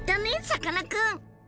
さかなクン。